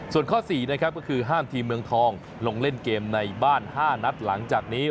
ส่วนข้อ๔นะครับก็คือห้ามทีมเมืองทองลงเล่นเกมในบ้าน๕นัดหลังจากนี้